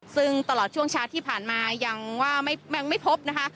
ซึ่งตลอดช่วงเช้าที่ผ่านมายังว่ายังไม่พบนะคะ